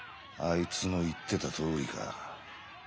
あいつの言ってたとおりか。